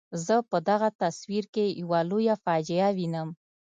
زه په دغه تصویر کې یوه لویه فاجعه وینم.